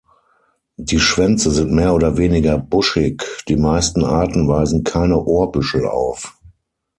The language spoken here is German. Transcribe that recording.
Die Schwänze sind mehr oder weniger buschig, die meisten Arten weisen keine Ohrbüschel auf.